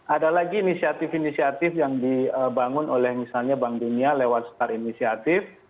ada lagi inisiatif inisiatif yang dibangun oleh misalnya bank dunia lewat star initiative